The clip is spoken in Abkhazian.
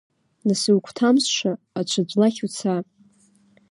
Нас иугәҭамсша аҽаӡә лахь уца!